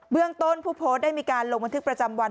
เบื้องต้นภูโภทได้มีการลงบันทึกประจำวัน